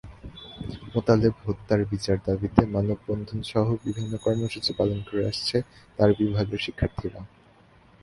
মোতালেব হত্যার বিচার দাবিতে মানববন্ধনসহ বিভিন্ন কর্মসূচি পালন করে আসছেন তাঁর বিভাগের শিক্ষার্থীরা।